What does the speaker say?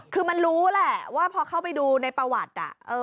คือมันรู้แหละว่าพอเข้าไปดูในประวัติ